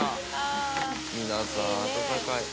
「皆さん温かい」